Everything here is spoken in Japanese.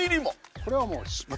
これはもう。